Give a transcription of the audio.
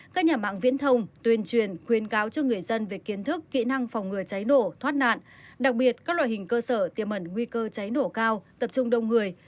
các nhà mạng viễn thông tuyên truyền khuyến cáo cho người dân về kiến thức kỹ năng phòng ngừa cháy nổ thoát nạn đặc biệt các loại hình cơ sở tiềm mẩn nguy cơ cháy nổ cao tập trung đông người